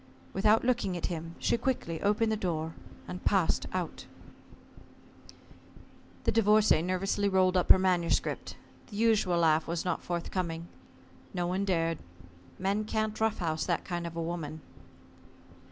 Without looking at him she quickly opened the door and passed out. The Divorcée nervously rolled up her manuscript. The usual laugh was not forthcoming. No one dared. Men can't rough house that kind of a woman.